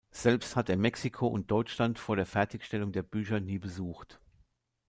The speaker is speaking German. Selbst hat er Mexiko und Deutschland vor der Fertigstellung der Bücher nie besucht.